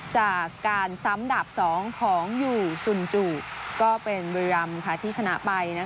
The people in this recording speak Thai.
จากการซ้ำดับ๒ของอยู่สุนจูก็เป็นบุรีรำที่ชนะไป